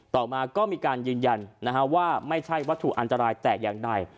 ต่อมาก็มีการยืนยันว่าไม่ใช่วัตถุอันตรายแต่อย่างใด